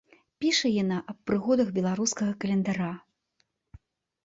Піша яна аб прыгодах беларускага календара.